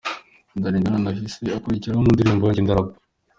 Danny Nanone ahise akurikiraho mu ndirimbo ’Njye Ndarapa’.